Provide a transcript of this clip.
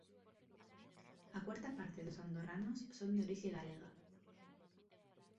A cuarta parte dos andorranos son de orixe galega.